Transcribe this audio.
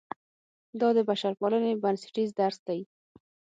دا د بشرپالنې بنسټیز درس دی.